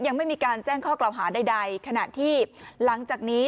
ยังไม่มีการแจ้งข้อกล่าวหาใดขณะที่หลังจากนี้